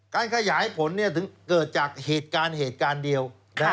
ขยายผลถึงเกิดจากเหตุการณ์เหตุการณ์เดียว